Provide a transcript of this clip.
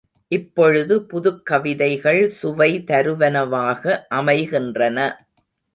இப்பொழுது புதுக்கவிதைகள் சுவை தருவனவாக அமைகின்றன.